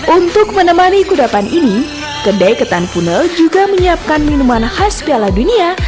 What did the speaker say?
untuk menemani kudapan ini kedai ketan punel juga menyiapkan minuman khas piala dunia